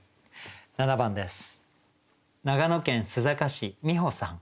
７番です。